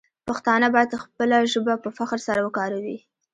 پښتانه باید خپله ژبه په فخر سره وکاروي.